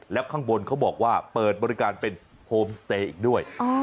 แล้วข้างบนเขาบอกว่าเปิดบริการเป็นโฮมสเตย์อีกด้วย